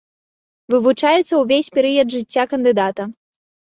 Вывучаецца ўвесь перыяд жыцця кандыдата.